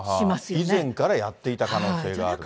以前からやっていた可能性がある。